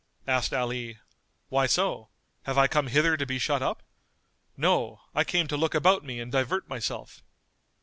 Asked Ali, "Why so? Have I come hither to be shut up? No, I came to look about me and divert myself."